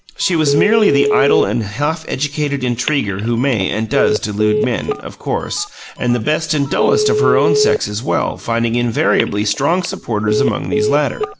She was merely the idle and half educated intriguer who may and does delude men, of course, and the best and dullest of her own sex as well, finding invariably strong supporters among these latter.